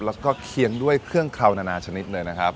แล้วก็เคียงด้วยเครื่องเคราวนานาชนิดเลยนะครับ